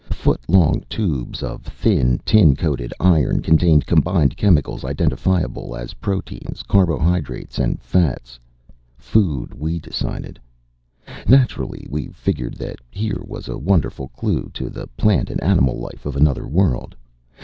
Foot long tubes of thin, tin coated iron contained combined chemicals identifiable as proteins, carbohydrates and fats. Food, we decided. Naturally, we figured that here was a wonderful clue to the plant and animal life of another world.